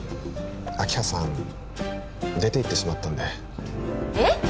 明葉さん出ていってしまったんでえっ！？